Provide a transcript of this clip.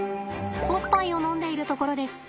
おっぱいを飲んでいるところです。